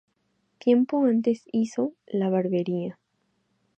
Tiempo antes hizo "La Barbería".